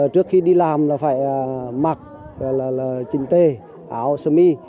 trước khi đi làm là phải mặc là là chính tê áo sơ mi